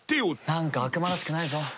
なんか悪魔らしくないぞ。